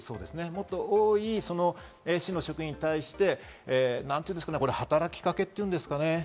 もっと多い市の職員に対して、働きかけっていうんですかね。